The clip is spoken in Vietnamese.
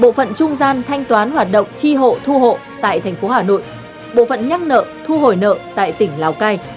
bộ phận trung gian thanh toán hoạt động tri hộ thu hộ tại thành phố hà nội bộ phận nhắc nợ thu hồi nợ tại tỉnh lào cai